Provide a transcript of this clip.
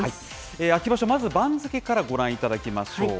秋場所、まず番付からご覧いただきましょう。